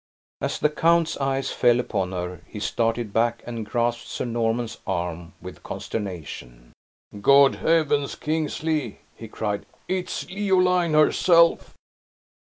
As the count's eyes fell upon her, he started back, and grasped Sir Norman's arm with consternation. "Good heavens, Kingsley!" he cried; "it is Leoline, herself!"